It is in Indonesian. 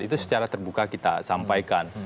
itu secara terbuka kita sampaikan